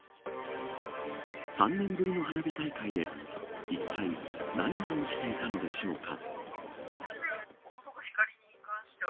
３年ぶりの花火大会でいったい何が起きていたのでしょうか。